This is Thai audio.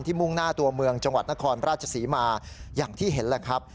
มุ่งหน้าตัวเมืองจังหวัดนครราชศรีมาอย่างที่เห็นแหละครับ